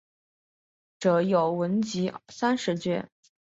着有文集三十卷。